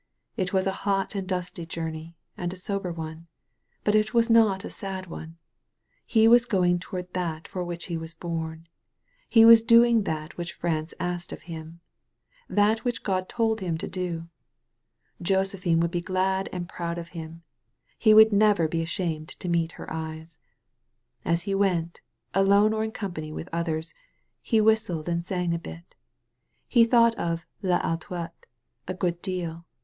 It was a hot and dusty journey, and a sober one. But it was not a sad one. He was going toward that for which he was bom. He was doing that which France asked of him, that which God told him to do. Josephine would be glad and proud of him. He would never be ashamed to meet her eyes. As he went, alone or in company with others, he whistled and sang a bit. He thought of '* VAlouette " a good deal.